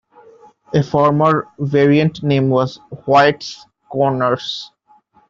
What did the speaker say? A former variant name was Hoyts Corners.